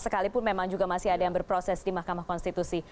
sekalipun memang juga masih ada yang berproses di mahkamah konstitusi